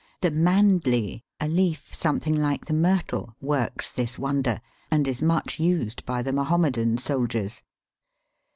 The mandlee, a leaf something like the myrtle, works this wonder, and is much used by the Mahomedan soldiers.